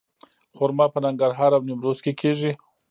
خرما په ننګرهار او نیمروز کې کیږي.